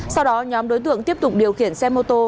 sau đó nhóm đối tượng tiếp tục điều khiển xe mô tô